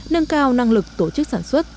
nâng cao năng lực tổ chức sản xuất